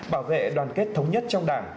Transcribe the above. bảo vệ đoàn kết thống nhất trong đảng